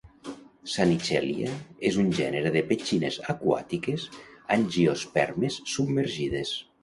Zannichellia és un gènere de petxines aquàtiques angiospermes submergides.